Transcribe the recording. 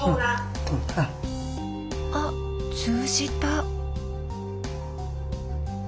あっ通じた。